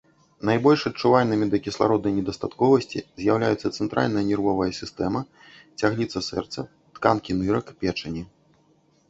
Найбольш адчувальнымі да кіслароднай недастатковасці з'яўляюцца цэнтральная нервовая сістэма, цягліца сэрца, тканкі нырак, печані.